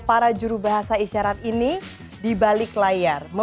biasanya kita selalu bisa ke tempat untuk didapet rekam aura aja